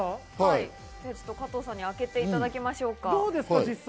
加藤さんに開けていただきましょうか。